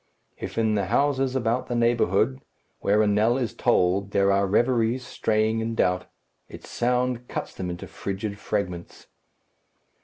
If in the houses about the neighbourhood where a knell is tolled there are reveries straying in doubt, its sound cuts them into rigid fragments.